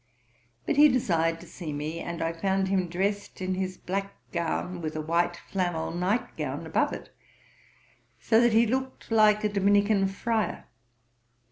But he desired to see me; and I found him drest in his black gown, with a white flannel night gown above it; so that he looked like a Dominican friar.